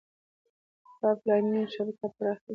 د پایپ لاینونو شبکه پراخه ده.